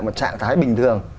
một trạng thái bình thường